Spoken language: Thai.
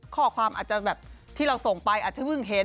ข้อความอาจจะแบบที่เราส่งไปอาจจะเพิ่งเห็น